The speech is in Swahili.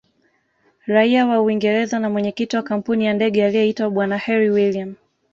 Raia wa Uingereza na Mwenyekiti wa kampuni ya ndege aliyeitwa bwana herri William